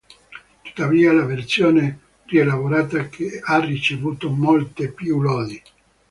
Tuttavia, la versione rielaborata ha ricevuto molte più lodi.